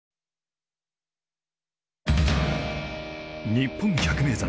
日本百名山